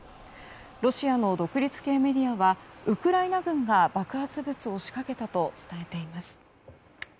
ロシアの独立系メディアはウクライナ軍が爆発物を仕掛けたと伝えています。